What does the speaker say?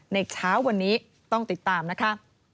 เช้าวันนี้ต้องติดตามนะคะ